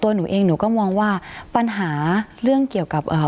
หนูเองหนูก็มองว่าปัญหาเรื่องเกี่ยวกับเอ่อ